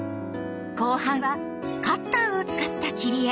後半はカッターを使った切り絵。